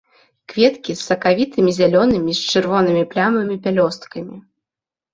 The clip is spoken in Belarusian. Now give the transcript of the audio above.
Кветкі з сакавітымі зялёнымі з чырвонымі плямамі пялёсткамі.